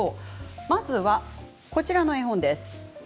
まずは、こちらの絵本です。